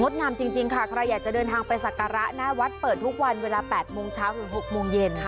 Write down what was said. งามจริงค่ะใครอยากจะเดินทางไปสักการะหน้าวัดเปิดทุกวันเวลา๘โมงเช้าถึง๖โมงเย็น